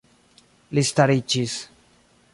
Li stariĝis.